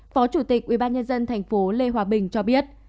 phó chủ tịch ubnd tp lê hòa bình cho biết